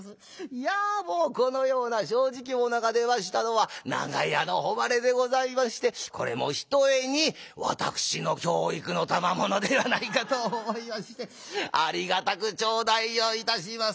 いやもうこのような正直者が出ましたのは長屋の誉れでございましてこれもひとえに私の教育のたまものではないかと思いましてありがたく頂戴をいたします」。